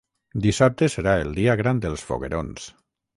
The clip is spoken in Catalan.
Dissabte serà el dia gran dels foguerons.